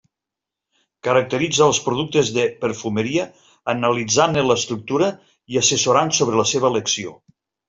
Caracteritza els productes de perfumeria analitzant-ne l'estructura i assessorant sobre la seva elecció.